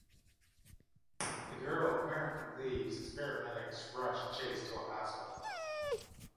The girl apparently leaves as paramedics rush Chase to a hospital.